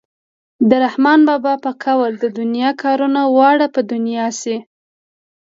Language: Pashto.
د رحمان بابا په قول د دنیا کارونه واړه په دنیا شي.